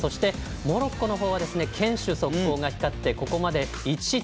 モロッコは堅守速攻が光ってここまで１失点。